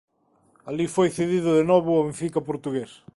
Alí foi cedido de novo ao Benfica portugués.